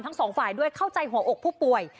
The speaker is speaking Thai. ทั้งสองฝ่ายด้วยเข้าใจหัวอกผู้ป่วย